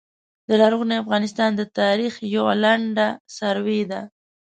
د لرغوني افغانستان د تاریخ یوع لنډه سروې ده